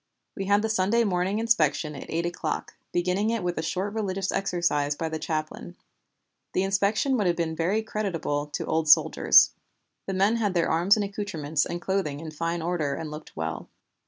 We had the Sunday morning inspection at eight o'clock, beginning it with a short religious exercise by the chaplain. The inspection would have been very creditable to old soldiers. The men had their arms and accouterments and clothing in fine order and looked well.